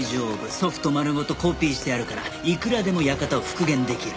ソフト丸ごとコピーしてあるからいくらでも館を復元できる。